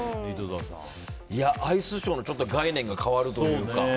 アイスショーの概念が変わるというか。